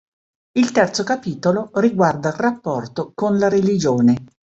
Il terzo capitolo riguarda il rapporto con la religione.